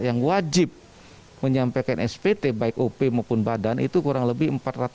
yang wajib menyampaikan spt baik op maupun badan itu kurang lebih empat ratus